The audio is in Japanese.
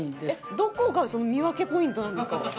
どこが見分けポイントなんですか？